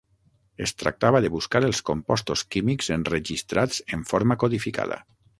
Es tractava de buscar els compostos químics enregistrats en forma codificada.